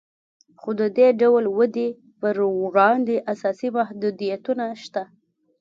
خو د دې ډول ودې پر وړاندې اساسي محدودیتونه شته